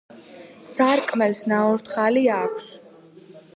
სარკმელს ნაოთხალი აქვს.